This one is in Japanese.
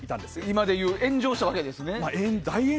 今でいう炎上したわけですね。